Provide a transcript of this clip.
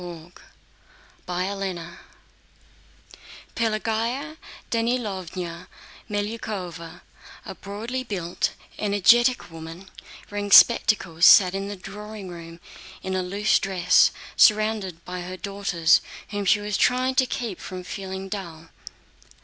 CHAPTER XI Pelagéya Danílovna Melyukóva, a broadly built, energetic woman wearing spectacles, sat in the drawing room in a loose dress, surrounded by her daughters whom she was trying to keep from feeling dull.